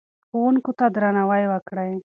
ښوونکو ته درناوی وکړئ.